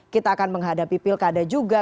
kita akan menghadapi pilkada juga